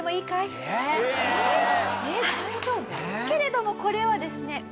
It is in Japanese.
けれどもこれはですね。